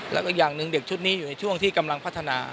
แล้วก็อย่างหนึ่งเด็กชุดนี้อยู่ในช่วงที่กำลังพัฒนา